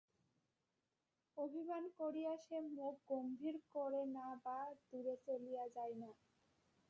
অভিমান করিয়া সে মুখ গম্ভীর করে না বা দূরে চলিয়া যায় না।